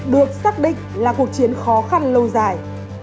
được xác định là cuộc chiến khó khăn lâu dài